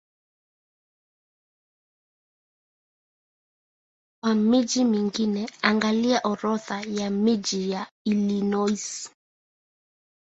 Kwa miji mingine angalia Orodha ya miji ya Illinois.